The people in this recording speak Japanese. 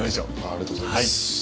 ありがとうございます。